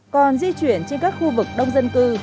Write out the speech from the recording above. còn di chuyển trên các khu vực đông dân cư